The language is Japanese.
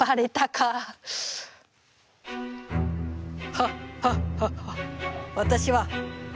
ハッハッハッハッ！